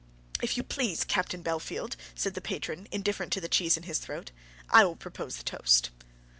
] "If you please, Captain Bellfield," said the patron, indifferent to the cheese in his throat, "I'll propose the toast."